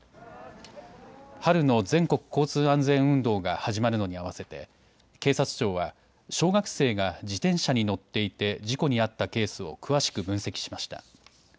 春の全国交通安全運動が始まるのに合わせて警察庁は小学生が自転車に乗っていて事故に遭ったケースを詳しく分析しました。